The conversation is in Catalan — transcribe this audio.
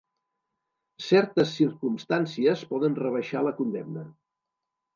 Certes circumstàncies poden rebaixar la condemna.